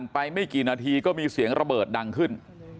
ไม่กี่นาทีก็มีเสียงระเบิดดังขึ้น